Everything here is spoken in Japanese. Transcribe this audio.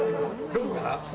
どこから？